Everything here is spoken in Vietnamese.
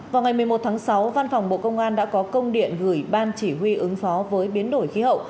vào ngày một mươi một tháng sáu văn phòng bộ công an đã có công điện gửi ban chỉ huy ứng phó với biến đổi khí hậu